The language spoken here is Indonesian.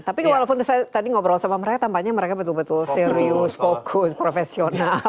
tapi walaupun saya tadi ngobrol sama mereka tampaknya mereka betul betul serius fokus profesional